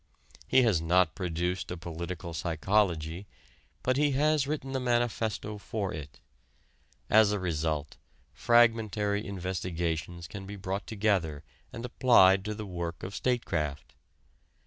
He has not produced a political psychology, but he has written the manifesto for it. As a result, fragmentary investigations can be brought together and applied to the work of statecraft.